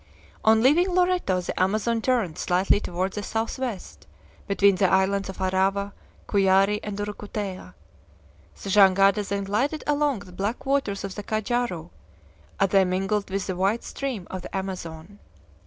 On leaving Loreto the Amazon turns slightly toward the southwest, between the islands of Arava, Cuyari, and Urucutea. The jangada then glided along the black waters of the Cajaru, as they mingled with the white stream of the Amazon.